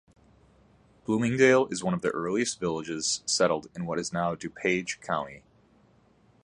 Bloomingdale is one of the earliest villages settled in what is now DuPage County.